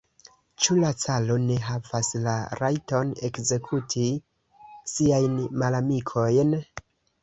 Ĉu la caro ne havas la rajton ekzekuti siajn malamikojn?